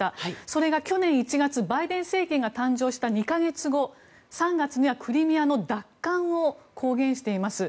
それが去年１月バイデン政権が誕生した２か月後３月にはクリミアの奪還を公言しています。